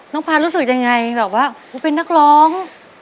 น้องภาษณ์รู้สึกยังไงแบบว่าเป็นนักร้อง